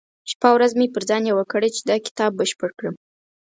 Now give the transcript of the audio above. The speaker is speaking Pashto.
شپه او ورځ مې پر ځان يوه کړه چې دا کتاب بشپړ کړم.